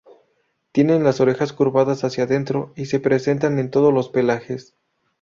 Tienen las orejas curvadas hacia dentro y se presentan en todos los pelajes.